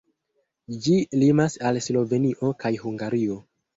Ĝi limas al Slovenio kaj Hungario.